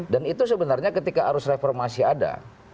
dan itu sebenarnya ketika arus reformasi ada